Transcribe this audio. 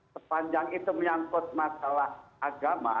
sepanjang itu menyangkut masalah agama